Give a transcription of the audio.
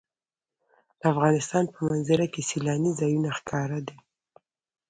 د افغانستان په منظره کې سیلانی ځایونه ښکاره ده.